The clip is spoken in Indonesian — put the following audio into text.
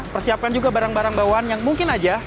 persiapkan juga barang barang bawaan yang mungkin aja